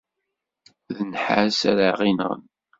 D nnḥas ara ɣ-inɣen.